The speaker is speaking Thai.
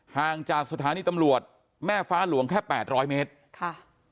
ห่างจากสถานีตำรวจแม่ฟ้าหลวงแค่แปดร้อยเมตรค่ะ